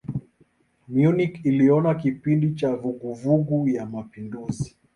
Munich iliona kipindi cha vuguvugu ya mapinduzi.